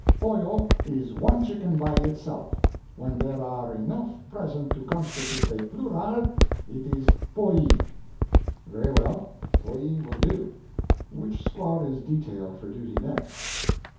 "Pollo is one chicken by itself; when there are enough present to constitute a plural, it is polli." "Very well, polli will do. Which squad is detailed for duty next?"